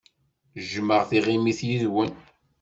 Jjmeɣ tiɣimit yid-wen.